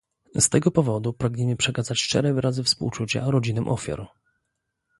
Z tego powodu pragniemy przekazać szczere wyrazy współczucia rodzinom ofiar